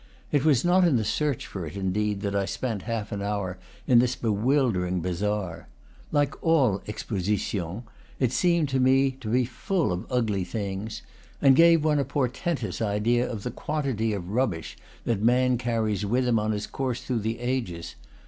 It was not in the search for it, indeed, that I spent half an hour in this bewildering bazaar. Like all "expositions," it seemed to me to be full of ugly things, and gave one a portentous idea of the quantity of rubbish that man carries with him on his course through the ages.